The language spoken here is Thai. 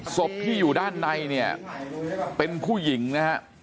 ศพที่อยู่ด้านในเนี่ยเป็นผู้หญิงนะฮะ